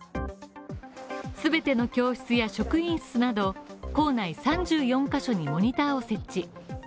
全ての教室や職員数など、校内３４ヶ所にモニターを設置。